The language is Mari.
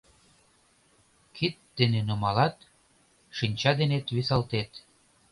Кид дене нумалат, шинча денет висалтет.